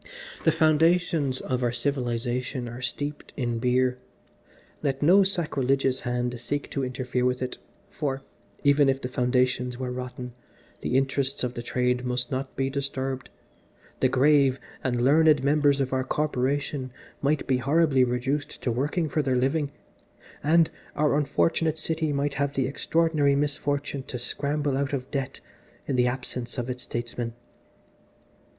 The foundations of our civilisation are steeped in beer let no sacrilegious hand seek to interfere with it, for, even if the foundations were rotten, the interests of the Trade must not be disturbed, the grave and learned members of our Corporation might be horribly reduced to working for their living, and our unfortunate City might have the extraordinary misfortune to scramble out of debt in the absence of its statesmen."